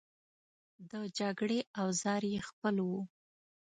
د جګړې اوزار یې خپل وو.